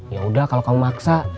yaudah kalau kamu maksa